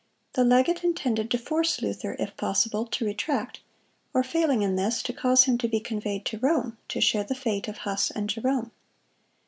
The legate intended to force Luther, if possible, to retract, or, failing in this, to cause him to be conveyed to Rome, to share the fate of Huss and Jerome.